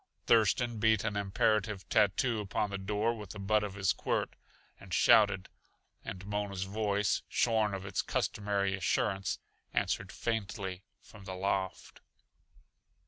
Thurston beat an imperative tattoo upon the door with the butt of his quirt, and shouted. And Mona's voice, shorn of its customary assurance, answered faintly from the loft.